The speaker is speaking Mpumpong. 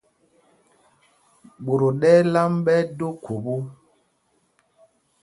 Ɓot o ɗɛ́l am ɓɛ́ ɛ́ do khubú.